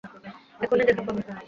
এখনই দেখা পাবে।